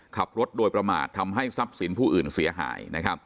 ขับรถโดยประมาททำให้ทรัพย์สินผู้อื่นเสียหาย